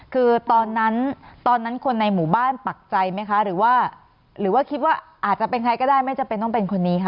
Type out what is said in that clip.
คือตอนนั้นตอนนั้นคนในหมู่บ้านปักใจไหมคะหรือว่าหรือว่าคิดว่าอาจจะเป็นใครก็ได้ไม่จำเป็นต้องเป็นคนนี้คะ